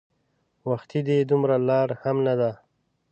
وختي دی دومره لار هم نه ده.